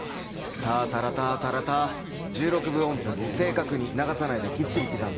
タタラタタラタ１６分音符正確に流さないできっちり刻んで。